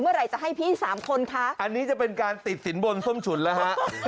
เมื่อไหร่จะให้พี่สามคนคะอันนี้จะเป็นการติดสินบนส้มฉุนแล้วฮะ